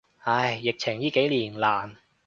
唉，疫情依幾年，難。